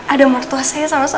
ada mertua saya sama suami saya